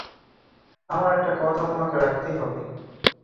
আমার একটা কথা তোমাকে রাখতেই হবে।